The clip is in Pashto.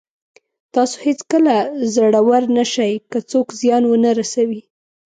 تاسو هېڅکله زړور نه شئ که څوک زیان ونه رسوي.